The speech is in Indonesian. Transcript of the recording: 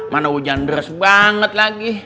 mana hujan deras banget lagi